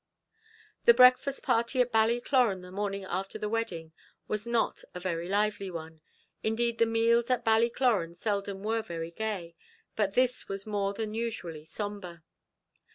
The breakfast party at Ballycloran the morning after the wedding was not a very lively one; indeed the meals at Ballycloran seldom were very gay, but this was more than usually sombre.